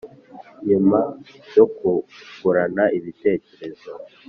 Nyuma yo kungurana ibitekerezo